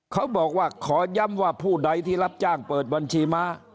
เขาบอกว่าขอย้ำว่าผู้ใดที่รับจ้างเปิดบัญชีม้า